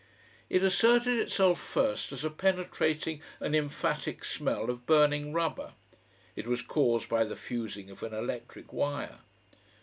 It asserted itself first as a penetrating and emphatic smell of burning rubber, it was caused by the fusing of an electric wire.